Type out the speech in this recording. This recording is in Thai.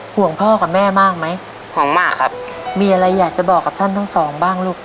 ห่วงพ่อกับแม่มากไหมห่วงมากครับมีอะไรอยากจะบอกกับท่านทั้งสองบ้างลูก